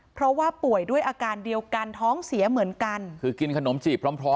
เพราะว่าป่วยด้วยอาการเดียวกันท้องเสียเหมือนกันคือกินขนมจีบพร้อมพร้อม